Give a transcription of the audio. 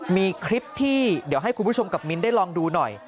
มีคลิปที่เดี๋ยวให้คุณผู้ชมกับมิ้นได้ลองดูหน่อย